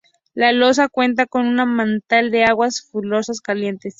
La Losa cuenta con un manantial de aguas sulfurosas calientes.